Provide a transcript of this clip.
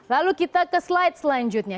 lalu kita ke slide selanjutnya